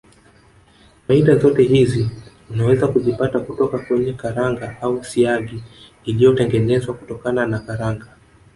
Faida zote hizi unaweza kuzipata kutoka kwenye karanga au siagi iliyotengenezwa kutokana na karanga